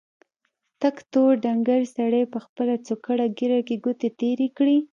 تک تور ډنګر سړي په خپله څوکړه ږيره کې ګوتې تېرې کړې.